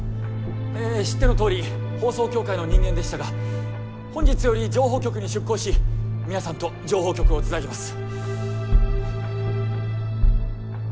え知ってのとおり放送協会の人間でしたが本日より情報局に出向し皆さんと情報局をつなぎます。